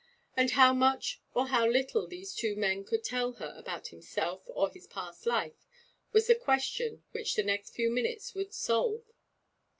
And how much or how little these two men could tell her about himself or his past life was the question which the next few minutes would solve.